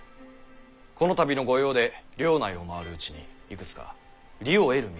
この度の御用で領内を回るうちにいくつか利を得る道を見つけました。